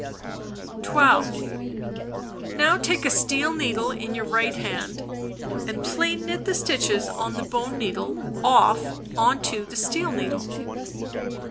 12. Now take a steel needle in your right hand, and plain knit the stitches on the bone needle off on to the steel needle.